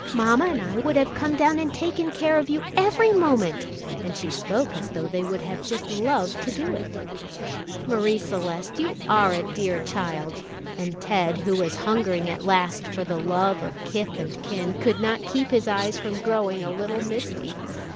Mamma and I would have come down and taken care of you every moment and she spoke as though they would have just loved to do it. "Marie Celeste, you are a dear child;" and Ted, who was hungering at last for the love of kith and kin, could not keep his eyes from growing a little misty.